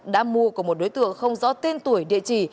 đã mua của một đối tượng không rõ tên tuổi địa chỉ